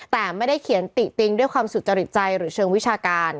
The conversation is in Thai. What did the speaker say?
แต่ไม่ได้เขียนติติงด้วยความสุจริตใจหรือเชิงวิชาการ